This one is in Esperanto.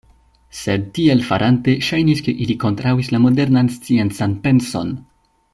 Sed tiel farante, ŝajnis ke ili kontraŭis la modernan sciencan penson.